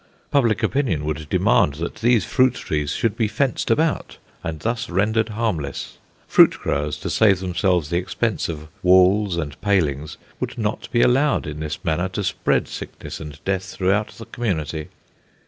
Public opinion would demand that these fruit trees should be fenced about, and thus rendered harmless. Fruit growers, to save themselves the expense of walls and palings, would not be allowed in this manner to spread sickness and death throughout the community.